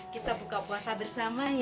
kita buka puasa bersama